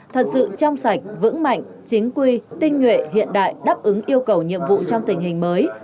thật sự trong sạch vững mạnh chính quy tinh nhuệ hiện đại đáp ứng yêu cầu nhiệm vụ trong tình hình mới